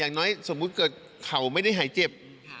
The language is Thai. อย่างน้อยสมมุติเกิดเขาไม่ได้หายเจ็บ